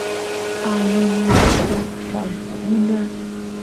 aini achka saykuna